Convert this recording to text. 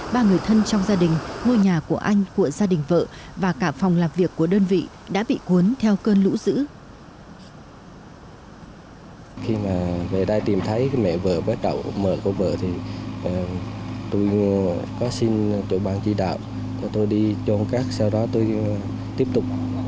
ba người thân trong gia đình ngôi nhà của anh của gia đình vợ và cả phòng làm việc của đơn vị đã bị cuốn theo cơn lũ dữ